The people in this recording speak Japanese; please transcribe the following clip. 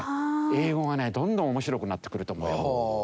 英語がねどんどん面白くなってくると思うよ。